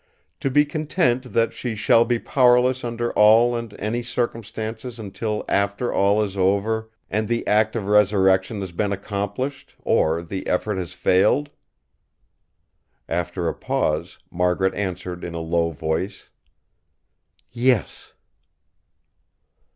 To be content that she shall be powerless under all and any circumstances until after all is over and the act of resurrection has been accomplished, or the effort has failed?" After a pause Margaret answered in a low voice: "Yes!"